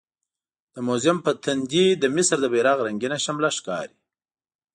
د موزیم په تندي د مصر د بیرغ رنګینه شمله ښکاري.